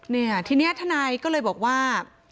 เนี่ยทีนี้ทนายก็เลยบอกว่า